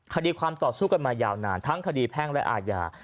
คดีความต่อสู้กันอยู่นานถึงทั้งคดีแผ้งและอายา